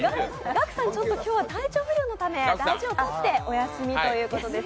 ガクさん、今日は体調不良のため、大事を取ってお休みということです。